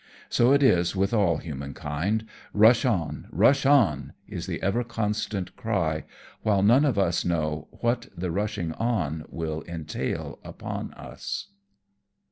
So it is with all human kind : Rush on ! rush on ! is the ever constant cry, while none of us know what the rushing on will entail upon us.